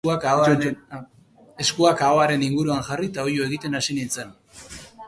Eskuak ahoaren inguruan jarri eta oihu egiten hasi nintzen.